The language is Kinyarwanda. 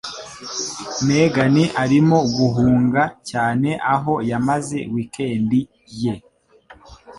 Megan arimo guhunga cyane aho yamaze weekend ye.